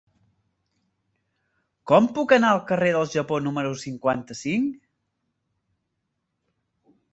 Com puc anar al carrer del Japó número cinquanta-cinc?